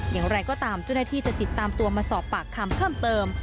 อย่างไรก็ตามเจ้าหน้าที่จะติดตามตัวมาสอบปากคำเพิ่มเติม